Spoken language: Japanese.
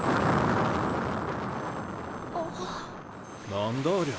何だありゃ。